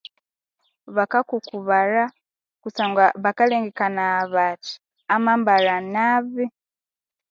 Bakakukubalha kusangwa bakalengekanaya bathi amambalha nabi